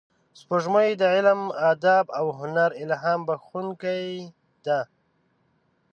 سپوږمۍ د علم، ادب او هنر الهام بخښونکې ده